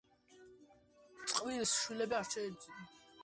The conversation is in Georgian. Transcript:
წყვილს შვილები არ შეეძინა.